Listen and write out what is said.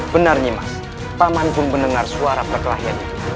benar nyima paman pun mendengar suara perkelahiannya